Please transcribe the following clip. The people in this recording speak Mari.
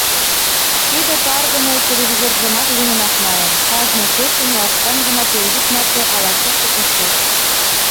Тиде каргыме телевизоржымат лӱмынак налын, кажне кечын ласкан гына пелйӱд марте ала-кушто коштеш...